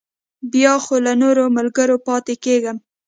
بیا خو له نورو ملګرو پاتې کېږم.